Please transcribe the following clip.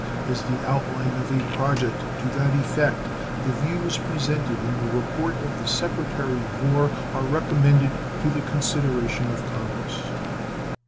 As the outline of a project to that effect, the views presented in the report of the Secretary of War are recommended to the consideration of Congress.